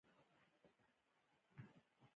دغه غربت د سیاسي فشارونو او ایتلافونو پایله ده.